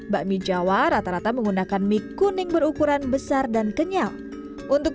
bakmi jawa rata rata menggunakan mie kuning berukuran besar dan kenyal untuk